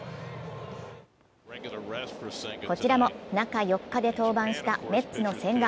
こちらも中４日で登板したメッツの千賀。